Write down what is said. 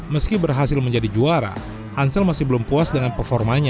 meski berhasil menjadi juara ancel masih belum puas dengan performanya